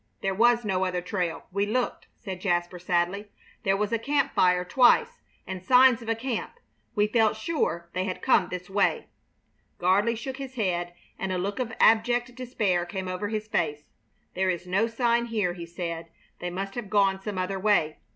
"There was no other trail. We looked," said Jasper, sadly. "There was a camp fire twice, and signs of a camp. We felt sure they had come this way." Gardley shook his head and a look of abject despair came over his face. "There is no sign here," he said. "They must have gone some other way.